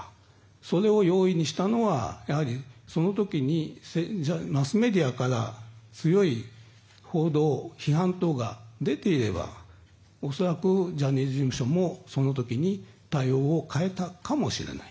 それを容易にしたのはやはり、その時にマスメディアから強い報道批判等が出ていれば恐らく、ジャニーズ事務所もその時に対応を変えたかもしれない。